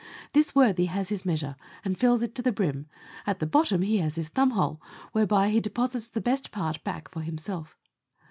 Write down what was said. This worthy has his measure, and fills it to the brim ; at the bottom he has his thumb hole, whereby he deposits the best part back for himself.